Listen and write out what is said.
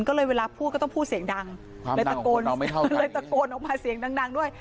ก็เลยเวลาพูดก็ต้องพูดเสียงดังความดังของคนเราไม่เท่ากันเลยตะโกนออกมาเสียงดังดังด้วย